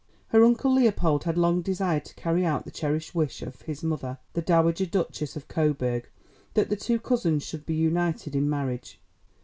Her uncle Leopold had long desired to carry out the cherished wish of his mother, the Dowager Duchess of Coburg, that the two cousins should be united in marriage.